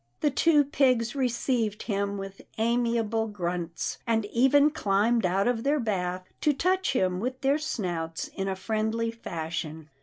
The two pigs received him with amiable grunts, and even climbed out of their bath to touch him with their snouts in a friendly fashion.